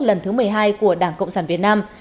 lần thứ một mươi hai của đảng cộng sản việt nam